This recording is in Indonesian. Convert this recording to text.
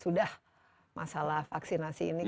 sudah masalah vaksinasi ini kan tidak